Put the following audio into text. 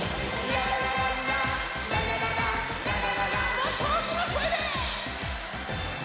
もっとおおきなこえで！